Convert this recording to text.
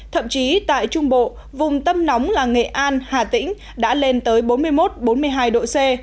thậm chí tại trung bộ vùng tâm nóng là nghệ an hà tĩnh đã lên tới bốn mươi một bốn mươi hai độ c